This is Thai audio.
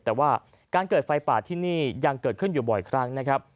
แต่ว่าการเกิดไฟป่าที่นี่ยังเกิดขึ้นอยู่บ่อยครั้งนะครับ